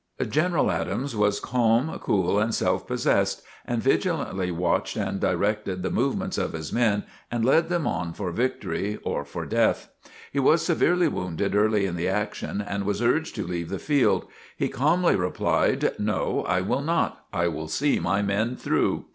General Adams was calm, cool and self possessed and vigilantly watched and directed the movements of his men and led them on for victory or for death. He was severely wounded early in the action and was urged to leave the field. He calmly replied: "No, I will not! I will see my men through!"